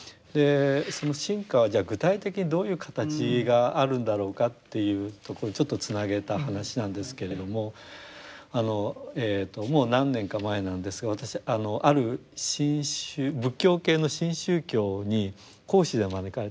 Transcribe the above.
その深化はじゃあ具体的にどういう形があるんだろうかっていうところにちょっとつなげた話なんですけれどもえともう何年か前なんですが私ある仏教系の新宗教に講師で招かれた。